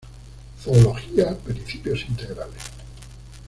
Zoología: principios integrales.